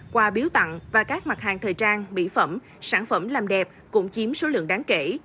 quà biếu tặng và các mặt hàng thời trang mỹ phẩm sản phẩm làm đẹp cũng chiếm số lượng đáng kể